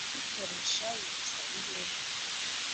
uzikoresha wibuza imbehe!